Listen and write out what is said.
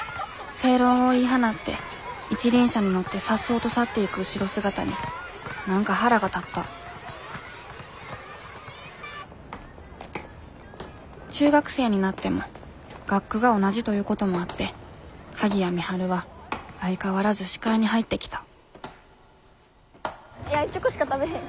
正論を言い放って一輪車に乗ってさっそうと去っていく後ろ姿に何か腹が立った中学生になっても学区が同じということもあって鍵谷美晴は相変わらず視界に入ってきたいやチョコしか食べへん。